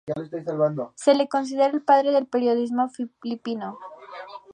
Se le considera el padre del periodismo filipino.